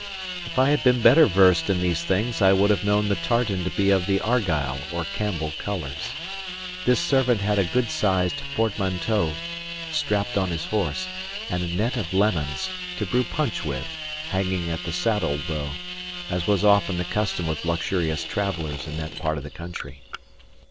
If I had been better versed in these things, I would have known the tartan to be of the Argyle (or Campbell) colours. This servant had a good sized portmanteau strapped on his horse, and a net of lemons (to brew punch with) hanging at the saddle bow; as was often enough the custom with luxurious travellers in that part of the country.